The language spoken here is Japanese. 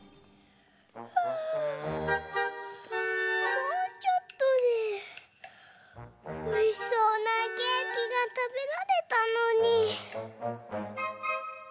もうちょっとでおいしそうなケーキがたべられたのに。